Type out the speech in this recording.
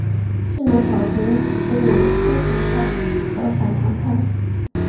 新罗朝延因此分裂为亲唐派和反唐派。